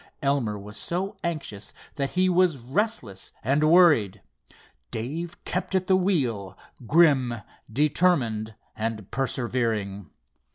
Elmer was so anxious that he was restless and worried. Dave kept at the wheel, grim, determined and persevering.